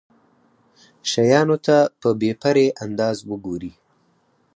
شيانو ته په بې پرې انداز وګوري.